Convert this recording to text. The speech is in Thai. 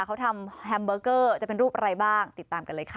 เขาทำแฮมเบอร์เกอร์จะเป็นรูปอะไรบ้างติดตามกันเลยค่ะ